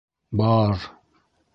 — Ба-а-ар!